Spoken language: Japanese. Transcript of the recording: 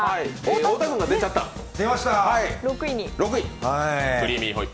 太田君が出ちゃった、６位。